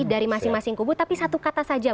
dari masing masing kubu tapi satu kata saja